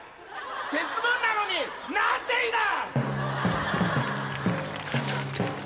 節分なのになんて日だ！」